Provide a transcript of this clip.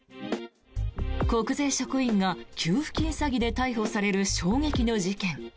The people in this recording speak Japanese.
国税職員が給付金詐欺で逮捕される衝撃の事件。